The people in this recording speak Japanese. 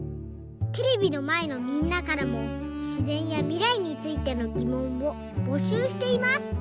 テレビのまえのみんなからもしぜんやみらいについてのぎもんをぼしゅうしています！